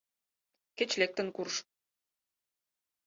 Кеч лектын курж.